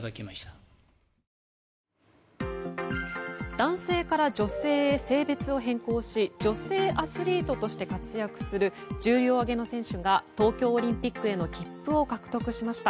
男性から女性へ性別を変更し女性アスリートとして活躍する重量挙げの選手が東京オリンピックへの切符を獲得しました。